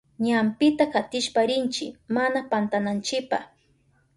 Ñampita katishpa rinchi mana pantananchipa.